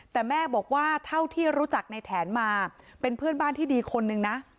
แต่แม่บอกว่าเท่าที่รู้จักในแถนมาเป็นเพื่อนบ้านที่ดีคนนึงนะ